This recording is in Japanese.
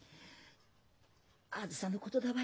あづさのことだわい。